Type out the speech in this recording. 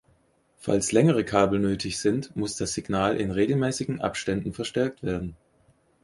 Falls längere Kabel nötig sind, muss das Signal in regelmäßigen Abständen verstärkt werden.